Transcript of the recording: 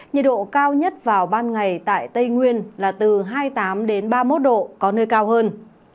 nhiệt độ cao nhất vào ban ngày tại tây nguyên là từ hai mươi tám ba mươi một độ có nơi cao hơn